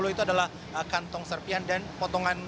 sepuluh itu adalah kantong serpian dan potongan